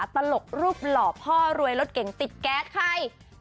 ตลกรูปหล่อพ่อรวยรถเก่งติดแก๊สให้